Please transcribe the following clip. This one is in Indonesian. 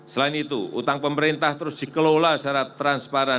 selain itu utang pemerintah terus dikelola secara transparan